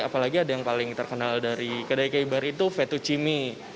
apalagi ada yang paling terkenal dari kedai keibar itu vetuchi mie